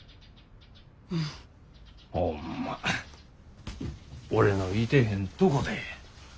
ホンマ俺のいてへんとこで。